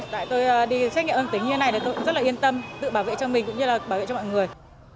tại tôi đi xét nghiệm âm tính như thế này thì tôi cũng rất là yên tâm tự bảo vệ cho mình cũng như là bảo vệ cho mọi người